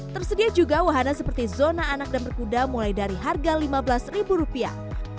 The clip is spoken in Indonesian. tersedia juga wahana seperti zona anak dan berkuda mulai dari harga lima belas ribu rupiah